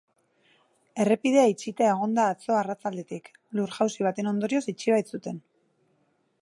Errepidea itxita egon da atzo arratsaldetik, lur-jausi baten ondorioz itxi baitzuten.